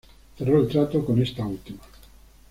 Cerró el trato con esta última.